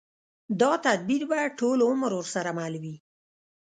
دا تدبير به ټول عمر ورسره مل وي.